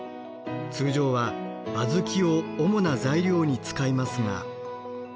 通常は小豆を主な材料に使いますが。